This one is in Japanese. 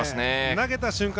投げた瞬間